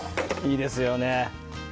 いいですよね。